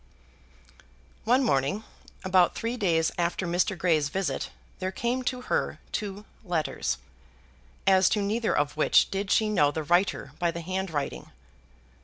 One morning, about three days after Mr. Grey's visit, there came to her two letters, as to neither of which did she know the writer by the handwriting.